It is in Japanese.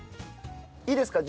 いいですか？